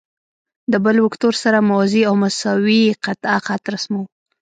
د بل وکتور سره موازي او مساوي قطعه خط رسموو.